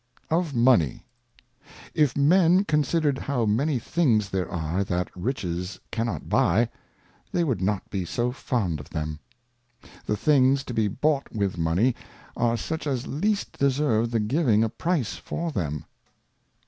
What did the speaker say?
Of Money. IF Men considered how many Things there are that Riches cannot buy, they would not be so fond of them. The Things to be bought with Money, are such as least deserve the giving a Price for them.